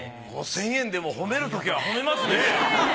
５，０００円でも褒めるときは褒めますね。